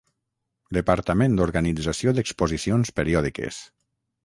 Departament d'organització d'exposicions periòdiques.